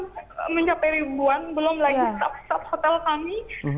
gili trawangan mencapai ribuan belum lagi stop stop hotel kami